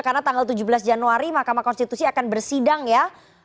karena tanggal tujuh belas januari mahkamah konstitusi akan bersidang ya